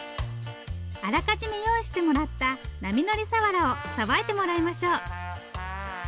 あらかじめ用意してもらった波乗り鰆をさばいてもらいましょう。